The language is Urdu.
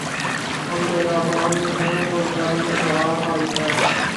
ہم بیاباں میں ہیں اور گھر میں بہار آئی ہے